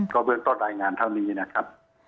เบื้องต้นรายงานเท่านี้นะครับ